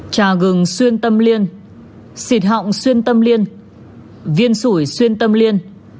trà gừng xuyên tâm liên xịt họng xuyên tâm liên viên sủi xuyên tâm liên